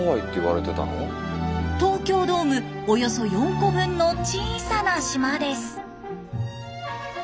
東京ドームおよそ４個分の小さな島です。